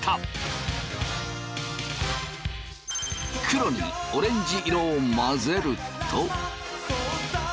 黒にオレンジ色を混ぜると。